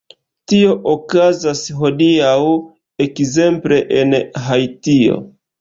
Tio okazas hodiaŭ, ekzemple, en Haitio.